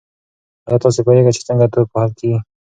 ایا تاسي پوهېږئ چې څنګه توپ وهل کیږي؟